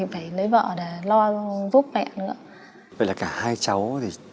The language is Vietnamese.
vậy là cả hai cháu thì